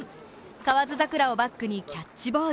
河津桜をバックにキャッチボール。